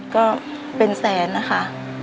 ก็เป็นแสนนะคะ